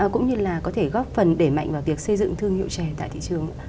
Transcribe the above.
cũng như là có thể góp phần để mạnh vào việc xây dựng thương hiệu trèo tại thị trường